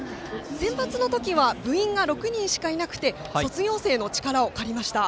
センバツの時は部員が６人しかいなくて卒業生の力を借りました。